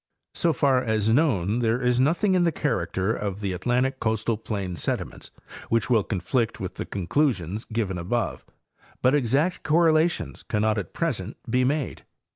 So far as known there is nothing in the character of the Atlantic coastal plain sediments which will conflict with the conclusions giver above, but exact correlations cannot at present be made.